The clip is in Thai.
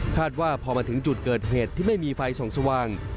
ว่าพอมาถึงจุดเกิดเหตุที่ไม่มีไฟส่องสว่าง